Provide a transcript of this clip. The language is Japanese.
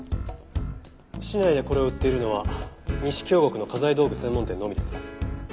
市内でこれを売っているのは西京極の画材道具専門店のみです。